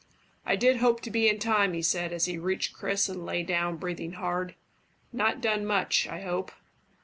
"I did hope to be in time," he said, as he reached Chris and lay down, breathing hard. "Not done much, I hope?"